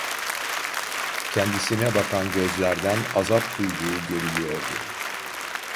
Kendisine bakan gözlerden azap duyduğu görülüyordu.